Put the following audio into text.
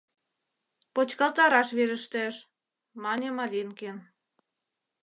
Почкалтараш верештеш, — мане Малинкин.